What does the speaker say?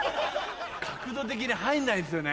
角度的に入んないんですよね。